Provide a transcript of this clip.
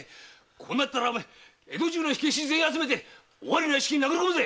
こうなりゃ江戸中の火消し集めて尾張の屋敷に殴り込もうぜ！